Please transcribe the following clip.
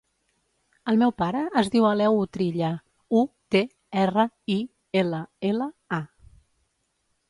El meu pare es diu Aleu Utrilla: u, te, erra, i, ela, ela, a.